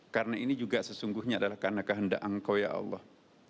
karena ini juga sesungguhnya adalah karena kehendak engkau ya allah